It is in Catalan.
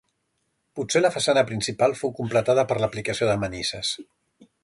Potser la façana principal fou completada per l'aplicació de manises.